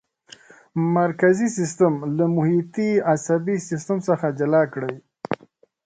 مرکزي سیستم له محیطي عصبي سیستم څخه جلا کړئ.